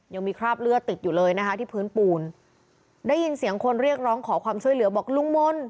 ยังมีคราบเลือดติดอยู่เลยนะคะที่พื้นปูนได้ยินเสียงคนเรียกร้องขอความช่วยเหลือบอกลุงมนต์